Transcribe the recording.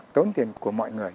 tốn tiền của mọi người